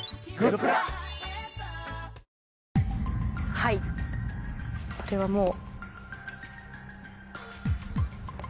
はいこれはもう。